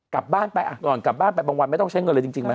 กลับบ้านไปอ่ะก่อนกลับบ้านไปบางวันไม่ต้องใช้เงินเลยจริงไหม